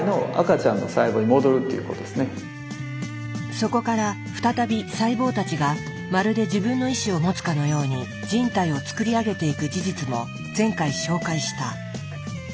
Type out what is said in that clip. そこから再び細胞たちがまるで自分の意思を持つかのように人体を作り上げていく事実も前回紹介した。